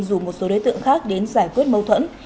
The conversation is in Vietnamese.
rủ một số đối tượng khác đến giải quyết mâu thuẫn